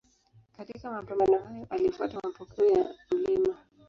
Katika mapambano hayo alifuata mapokeo ya Mt.